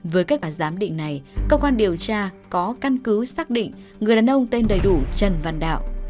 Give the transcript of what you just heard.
với kết quả giám định này cơ quan điều tra có căn cứ xác định người đàn ông tên đầy đủ trần văn đạo